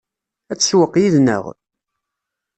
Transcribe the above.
Ad tsewweq yid-neɣ?